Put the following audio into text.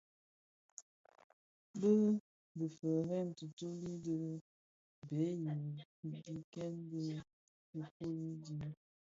Bi difeërèn tuutubi di bhee yi dhikèè dhi diifuyi di.